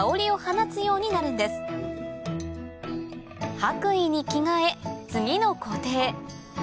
白衣に着替え次の工程へ